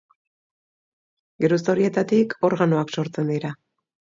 Geruza horietatik organoak sortzen dira.